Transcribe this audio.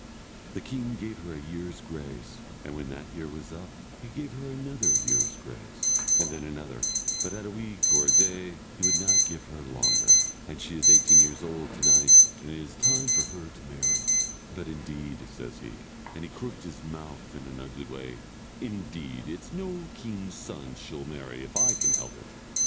The king gave her a year's grace, and when that year was up he gave her another year's grace, and then another; but a week or a day he would not give her longer, and she is eighteen years old to night, and it's time for her to marry; but, indeed," says he, and he crooked his mouth in an ugly way "indeed, it's no king's son she'll marry, if I can help it."